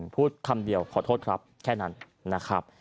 พูดคำเดียวขอโทษครับแค่นั้นนะครับ